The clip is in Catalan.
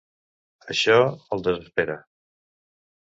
Això el desespera.